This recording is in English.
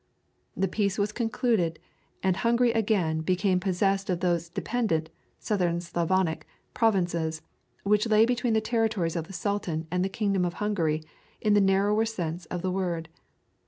The peace was concluded, and Hungary again became possessed of those dependent (South Slavonic) provinces, which lay between the territories of the Sultan and the kingdom of Hungary in the narrower sense of the word.